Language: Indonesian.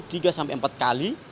tiga sampai empat kali